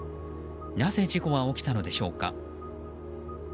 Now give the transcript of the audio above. なぜ、事故は起きたのでしょうか。